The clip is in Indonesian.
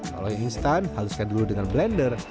kalau yang instan haluskan dulu dengan blender